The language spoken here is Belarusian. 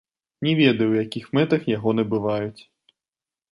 Не ведаю, у якіх мэтах яго набываюць.